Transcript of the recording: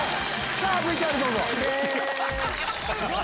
さあＶＴＲどうぞ。